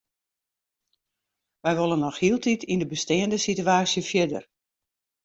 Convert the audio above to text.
Wy wolle noch hieltyd yn de besteande sitewaasje fierder.